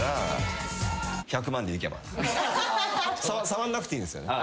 触んなくていいんですよね？